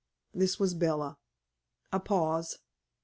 This was Bella. A pause.